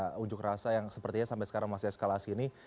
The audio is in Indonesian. pengunjuk rasa yang sepertinya sampai sekarang masih eskalasi ini